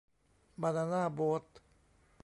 บานาน่าโบ๊ท